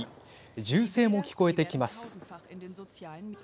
銃声も聞こえてきます。